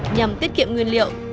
nhằm tiết kiệm nguyên liệu